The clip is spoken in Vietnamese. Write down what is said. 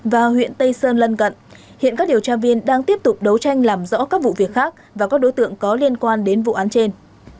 và huyện tây sơn lân gận hiện các điều tra viên đang tiếp tục đấu tranh làm rõ các vụ việc khác và các đối tượng có liên quan đến vụ án trên